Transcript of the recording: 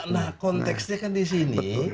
nah konteksnya kan disini